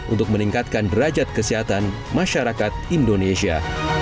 untuk meningkatkan derajat kesehatan masyarakat indonesia